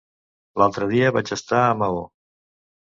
L'altre dia vaig estar a Maó.